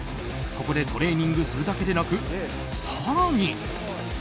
ここでトレーニングするだけでなく、更に。